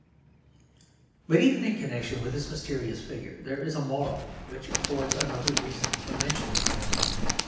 But even in connection with this mysterious figure there is a moral which affords another reason for mentioning him.